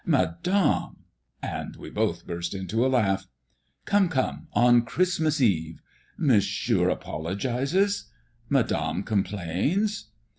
"Madame!" and we both burst into a laugh. "Come, come; on Christmas Eve!" "Monsieur apologizes?" "Madame complains?"